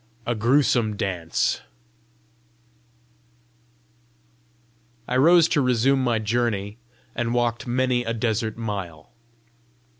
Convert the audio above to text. A GRUESOME DANCE I rose to resume my journey, and walked many a desert mile.